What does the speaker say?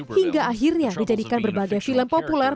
hingga akhirnya dijadikan berbagai film populer